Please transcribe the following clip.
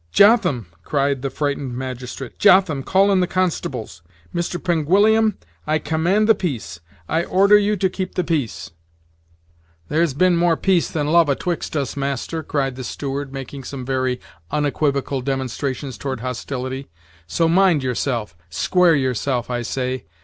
"Jotham!" cried the frightened magistrate "Jotham! call in the constables. Mr. Penguillium, I command the peace I order you to keep the peace." "There's been more peace than love atwixt us, master," cried the steward, making some very unequivocal demonstrations toward hostility; "so mind yourself! square your self, I say!